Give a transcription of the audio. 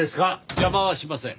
邪魔はしません。